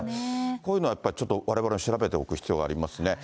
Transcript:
こういうのはやっぱりわれわれも調べておく必要がありますね。